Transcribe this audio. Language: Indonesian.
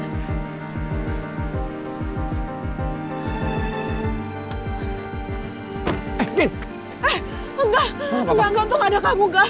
eh enggak enggak enggak untung ada kamu enggak